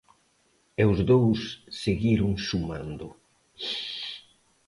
E os dous seguiron sumando.